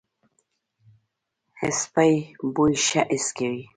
سپي بوی ښه حس کوي.